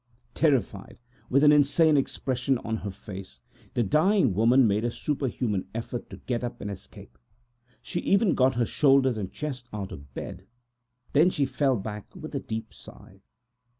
Terrified, with a mad look on her face, the dying woman made a superhuman effort to get up and escape; she even got her shoulders and chest out of bed; then she fell back with a deep sigh.